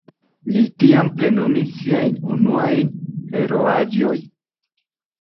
Li tiam plenumis siajn unuajn heroaĵojn.